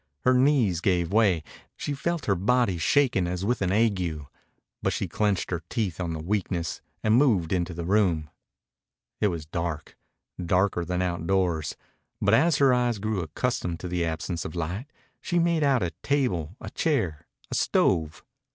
Her knees gave way. She felt her body shaking as with an ague. But she clenched her teeth on the weakness and moved into the room. It was dark darker than outdoors. But as her eyes grew accustomed to the absence of light she made out a table, a chair, a stove.